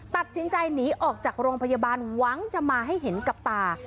ตัดสินใจหนีออกจากโรงพยาบาลหวังจะมาให้เห็นกับตา